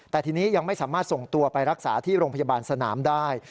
แต่ทีนี้ยังไม่สามารถส่งตัวไปรักษาที่โรงพยาบาลสนามได้